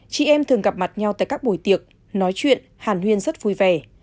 chị em thường gặp mặt nhau tại các buổi tiệc nói chuyện hàn huyên rất vui vẻ